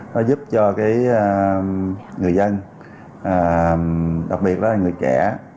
nó giúp cho người dân đặc biệt đó là người trẻ